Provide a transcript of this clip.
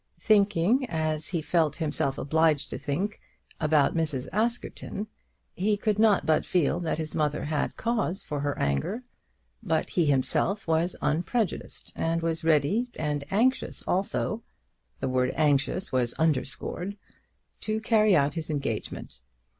Thinking, as he felt himself obliged to think, about Mrs. Askerton, he could not but feel that his mother had cause for her anger. But he himself was unprejudiced, and was ready, and anxious also, the word anxious was underscored, to carry out his engagement.